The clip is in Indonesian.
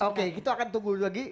oke kita akan tunggu lagi